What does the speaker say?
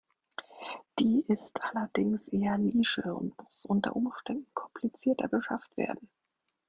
Die ist allerdings eher Nische und muss unter Umständen komplizierter beschafft werden.